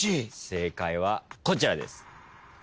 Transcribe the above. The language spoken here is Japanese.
正解はこちらです。